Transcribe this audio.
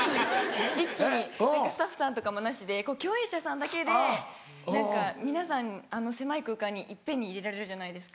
一気にスタッフさんとかもなしで共演者さんだけで皆さんあの狭い空間に一遍に入れられるじゃないですか。